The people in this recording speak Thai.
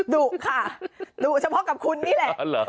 ดุค่ะดุเฉพาะกับคุณนี่แหละ